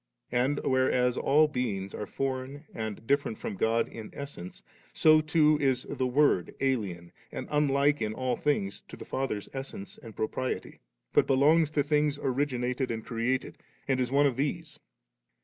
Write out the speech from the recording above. And, whereas all beings are foreign and different from God in essence, so too is ' the Word alien and unlike in all things to the Father's essence and propriety,' but belongs to things originated and created, and is one of these.